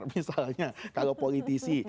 misalnya kalau politisi